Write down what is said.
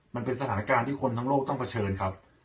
มันเป็นสถานการณ์ที่คนทั้งโลกต้องเผชิญครับ